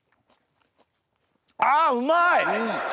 あうまい！